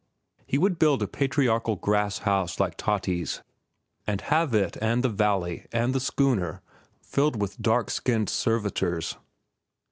He would build a patriarchal grass house like Tati's, and have it and the valley and the schooner filled with dark skinned servitors.